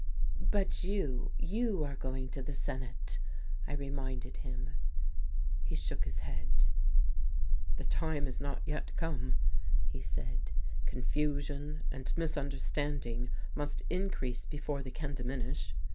"But you you are going to the Senate," I reminded him. He shook his head. "The time has not yet come," he said. "Confusion and misunderstanding must increase before they can diminish.